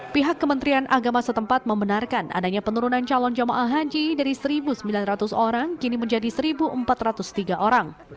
pihak kementerian agama setempat membenarkan adanya penurunan calon jamaah haji dari satu sembilan ratus orang kini menjadi satu empat ratus tiga orang